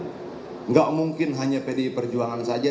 tidak mungkin hanya pdi perjuangan saja